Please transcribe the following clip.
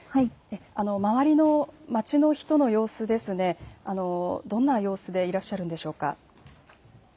周りの町の人の様子、どんな様子でいらっしゃるんでしょうか。